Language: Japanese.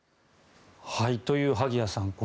という、萩谷さん